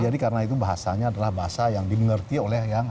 jadi karena itu bahasanya adalah bahasa yang dimengerti oleh yang lain